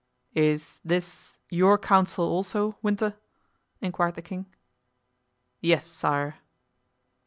"Is this your counsel also, Winter?" inquired the king. "Yes, sire."